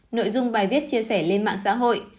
nội dung bài viết chia sẻ lên mạng xã hội